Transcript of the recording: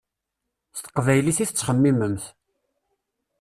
S teqbaylit i tettxemmimemt.